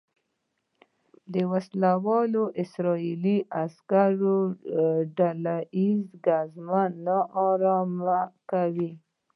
د وسلوالو اسرائیلي عسکرو ډله ییزه ګزمه نا ارامه کوي.